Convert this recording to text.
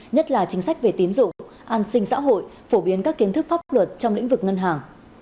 nhất là chính sách về tín dụng an sinh xã hội phổ biến các kiến thức pháp luật trong lĩnh vực ngân hàng